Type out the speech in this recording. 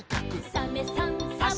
「サメさんサバさん」